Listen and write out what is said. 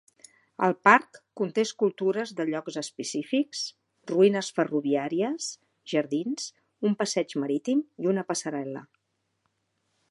El parc conté escultures de llocs específics, ruïnes ferroviàries, jardins, un passeig marítim i una passarel·la.